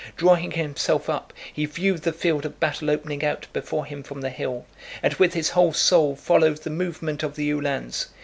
Drawing himself up, he viewed the field of battle opening out before him from the hill, and with his whole soul followed the movement of the Uhlans.